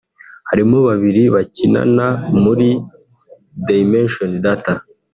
harimo babiri bakinana muri Dimension Data